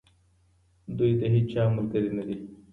دوی د هیچا ملګري نه دي.